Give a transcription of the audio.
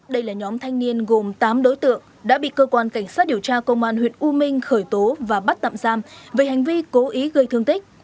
đây là nhóm thanh niên gồm tám đối tượng đã bị cơ quan cảnh sát điều tra công an huyện u minh khởi tố và bắt tạm giam về hành vi cố ý gây thương tích